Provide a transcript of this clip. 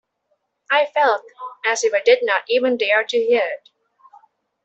I felt as if I did not even dare to hear it.